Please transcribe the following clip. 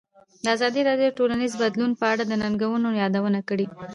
ازادي راډیو د ټولنیز بدلون په اړه د ننګونو یادونه کړې.